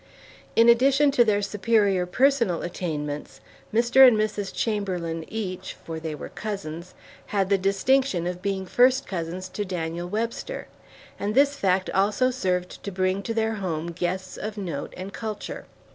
In addition to their superior personal attainments, Mr. and Mrs. Chamberlain, each for they were cousins had the distinction of being first cousins to Daniel Webster, and this fact also served to bring to their home guests of note and culture.